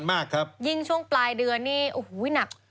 เหลือเกินยิ่งช่วงปลายเดือนนี้โอ้โหนัก